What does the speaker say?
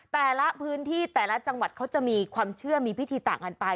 แต่ละพื้นที่แต่ละจังหวัดเขาจะมีความเชื่อมีพิธีต่างกันไป